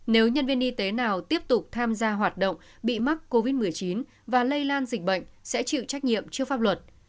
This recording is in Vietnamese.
nếu nhân viên y tế nào tiếp tục tham gia hoạt động bị mắc covid một mươi chín và lây lan dịch bệnh sẽ chịu trách nhiệm trước pháp luật